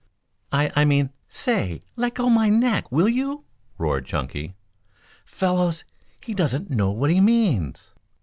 "I I mean say, leggo my neck, will you?" roared Chunky. "Fellows, he doesn't know what he means."